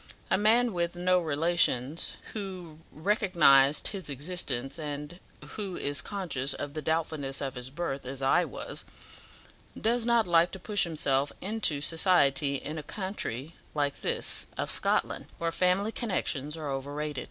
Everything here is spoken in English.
A man with no relations who recognized his existence, and who is conscious of the doubtfulness of his birth, as I was, does not like to push himself into society in a country like this of Scotland, where family connections are overrated.